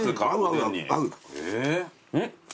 うん。